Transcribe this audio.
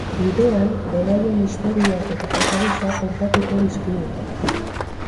Bidean beraien istorio eta pasadizoak kontatuko dizkigute.